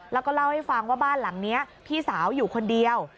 แล้วก็เล่าให้ฟังว่าบ้านหลังนี้พี่สาวอยู่คนเดียว